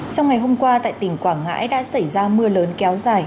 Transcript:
trong ngày hôm qua tại tỉnh quảng ngãi đã xảy ra mưa lớn kéo dài